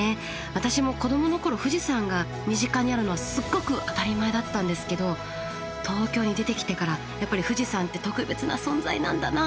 私も子どもの頃富士山が身近にあるのはすっごく当たり前だったんですけど東京に出てきてからやっぱり富士山って特別な存在なんだなって